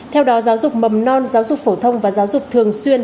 theo đó giáo dục mầm non giáo dục phổ thông và giáo dục thường xuyên